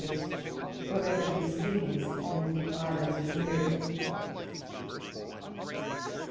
_ all over the East Indies, and the Islands near it.